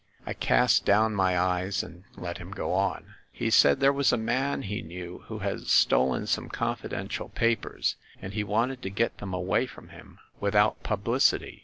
I cast down my eyes and let him go on. "He said there was a man he knew who had stolen some confidential papers, and he wanted to get them away from him without publicity.